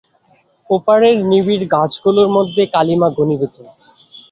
ও পারের নিবিড় গাছগুলির মধ্যে কালিমা ঘনীভূত।